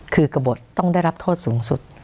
คือกระบดต้องได้รับโทษสูงสุด